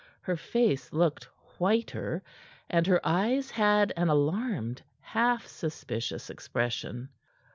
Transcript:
Her face looked whiter, and her eyes had an alarmed, half suspicious expression.